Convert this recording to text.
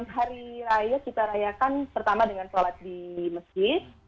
hari raya kita rayakan pertama dengan sholat di masjid